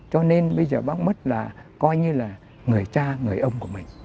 cho nên bây giờ bác mất là coi như là người cha người ông của mình